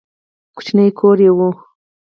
کوچنی کور یې و.